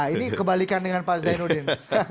ini kebalikan dengan pak zainuddin